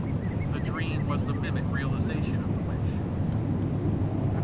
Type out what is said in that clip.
The dream was the mimic realisation of the wish.